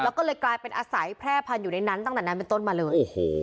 แล้วก็เลยกลายเป็นอาศัยแพร่พันธุ์อยู่ในนั้นตั้งแต่นั้นเป็นต้นมาเลยโอ้โห